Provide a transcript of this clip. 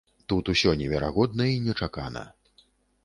Тут усё неверагодна і нечакана.